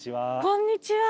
こんにちは。